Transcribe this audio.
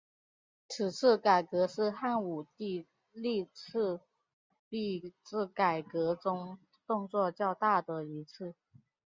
此次改革是汉武帝历次币制改革中动作较大的一次。